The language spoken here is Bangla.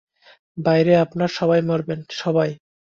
বাইরে আপনারা সবাই মরবেন, সবাই!